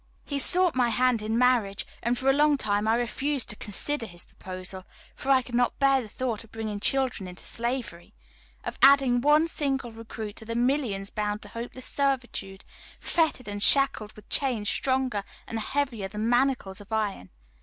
He sought my hand in marriage, and for a long time I refused to consider his proposal; for I could not bear the thought of bringing children into slavery of adding one single recruit to the millions bound to hopeless servitude, fettered and shackled with chains stronger and heavier than manacles of iron.